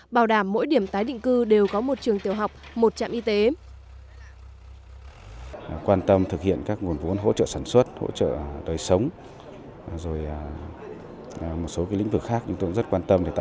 bảo đảm mỗi điểm tái định cư đều có một trường tiểu học một trạm y tế